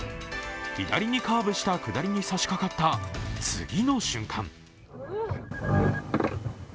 左にカーブした下りにさしかかった次の瞬間。